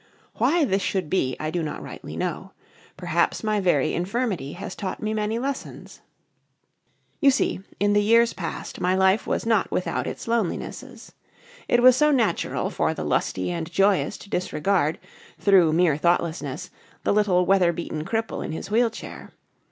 Why this should be I do not rightly know. Perhaps my very infirmity has taught me many lessons.... You see, in the years past, my life was not without its lonelinesses. It was so natural for the lusty and joyous to disregard, through mere thoughtlessness, the little weather beaten cripple in his wheelchair.